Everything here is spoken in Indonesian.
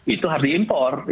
itu harus diimpor